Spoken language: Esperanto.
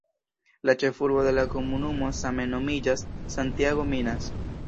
La ĉefurbo de la komunumo same nomiĝas "Santiago Minas".